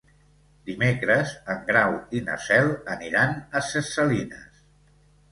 Dimecres en Grau i na Cel aniran a Ses Salines.